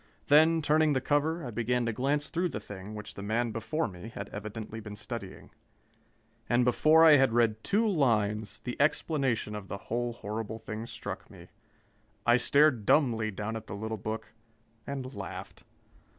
Then, turning the cover, I began to glance through the thing which the man before me had evidently been studying. And before I had read two lines, the explanation of the whole horrible thing struck me. I stared dumbly down at the little book and laughed.